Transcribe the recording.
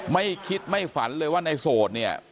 ไม่คิดไม่ฝันเลยว่าในโสด